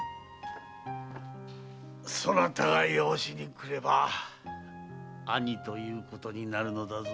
そなたが養子にくれば義兄ということになるのだぞ。